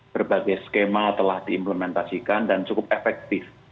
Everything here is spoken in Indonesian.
berbagai skema telah diimplementasikan dan cukup efektif